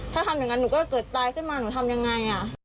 ถ้าทำอย่างนั้นหนูก็จะเกิดตายขึ้นมาหนูทำยังไง